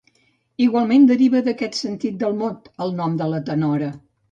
Igualment deriva d'aquest sentit del mot, el nom de la tenora.